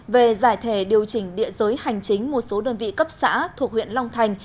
về giải thể điều chỉnh địa giới hành chính một số đơn vị cấp xã thuộc huyện long thành